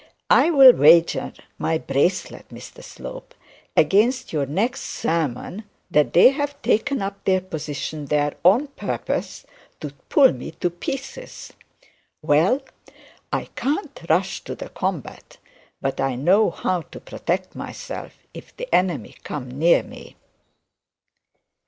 I'll wager my bracelet, Mr Slope against your next sermon, that they've taken up their position there on purpose to pull me to pieces. Well, I can't rush to the combat, but I know how to protect myself if the enemy come near me.'